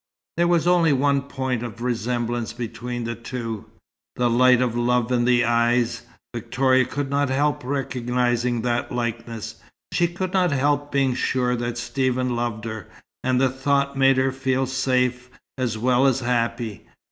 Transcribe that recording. There was only one point of resemblance between the two: the light of love in the eyes. Victoria could not help recognizing that likeness. She could not help being sure that Stephen loved her, and the thought made her feel safe, as well as happy.